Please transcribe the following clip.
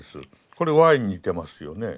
これ「ｙ」に似てますよね。